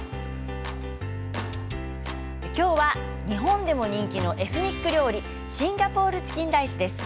今日は日本でも人気のエスニック料理シンガポールチキンライスです。